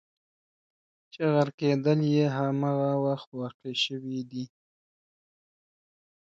چې غرقېدل یې همغه وخت واقع شوي دي.